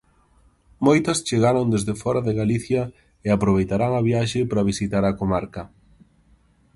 Moitas chegaron desde fóra de Galicia e aproveitarán a viaxe para visitar a comarca.